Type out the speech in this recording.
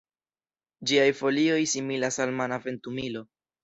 Ĝiaj folioj similas al mana ventumilo.